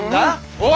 おい。